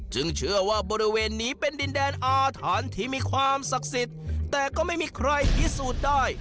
เชื่อว่าบริเวณนี้เป็นดินแดนอาถรรพ์ที่มีความศักดิ์สิทธิ์แต่ก็ไม่มีใครพิสูจน์ได้